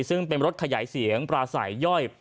ซึ่งเป็นรถขยายเสียงปลาใสย่อย